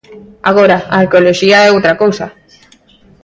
Agora, a arqueoloxía é outra cousa.